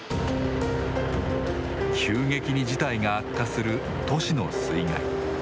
急激に事態が悪化する都市の水害。